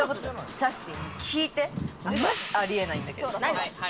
さっしー、聞いて、マジありえないんだけど。